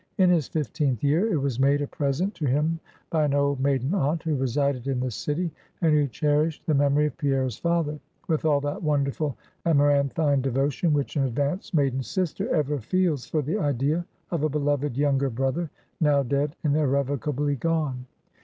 In his fifteenth year, it was made a present to him by an old maiden aunt, who resided in the city, and who cherished the memory of Pierre's father, with all that wonderful amaranthine devotion which an advanced maiden sister ever feels for the idea of a beloved younger brother, now dead and irrevocably gone.